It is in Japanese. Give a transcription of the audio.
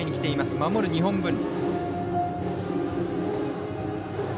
守る日本文理。